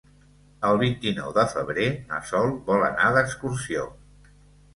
El vint-i-nou de febrer na Sol vol anar d'excursió.